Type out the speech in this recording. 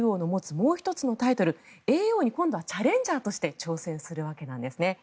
もう１つのタイトル、叡王に今度はチャレンジャーとして挑戦するわけなんですね。